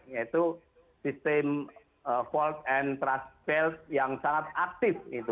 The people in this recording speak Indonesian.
yaitu sistem volt and trust belt yang sangat aktif